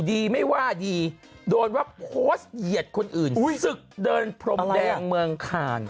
เขาบอกเหยียดศึกเดินพรมขาด